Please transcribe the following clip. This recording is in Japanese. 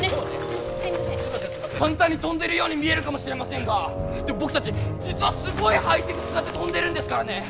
簡単に飛んでるように見えるかもしれませんがでも僕たち実はすごいハイテク使って飛んでるんですからね！